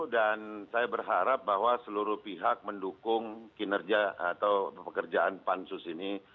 dan saya berharap bahwa seluruh pihak mendukung kinerja atau pekerjaan pansus ini